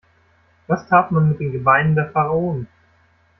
Was tat man mit den Gebeinen der Pharaonen?